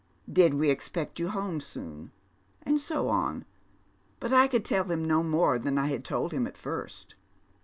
Did we expect you home soon? and so on, but I could tell him no more than I had told him at first.